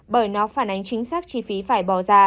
bởi nó phản ánh chính xác chi phí phải bỏ ra